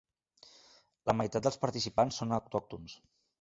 La meitat dels participants són autòctons.